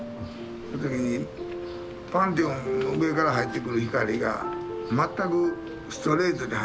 その時にパンテオンの上から入ってくる光が全くストレートで入ってくると。